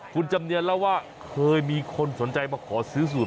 คุณจำเนียนเล่าว่าเคยมีคนสนใจมาขอซื้อสูตร